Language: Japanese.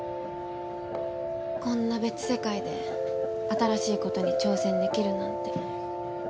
こんな別世界で新しいことに挑戦できるなんて。